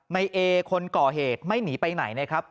ในเอคนก่อเหตุไม่หนีไปไหนนะครับ